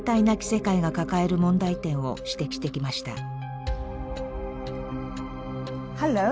なき世界が抱える問題点を指摘してきました。